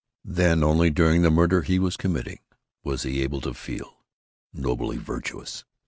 Then only during the murder he was committing was he able to feel nobly virtuous.